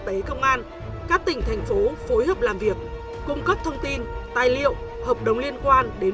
tế công an các tỉnh thành phố phối hợp làm việc cung cấp thông tin tài liệu hợp đồng liên quan đến